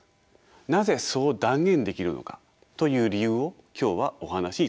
なぜそう断言できるのかという理由を今日はお話しいたします。